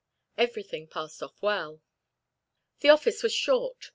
Everything passed off well. The office was short.